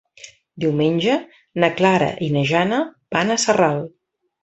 Diumenge na Clara i na Jana van a Sarral.